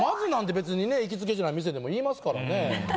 行きつけじゃない店でも言いますからね。